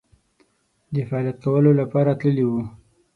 د فعالیت کولو لپاره تللي وو.